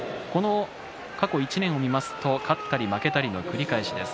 過去１年を見ますと勝ったり負けたりの繰り返しです。